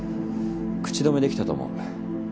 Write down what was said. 口止めできたと思う。